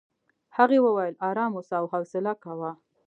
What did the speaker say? هغې وویل ارام اوسه او حوصله کوه.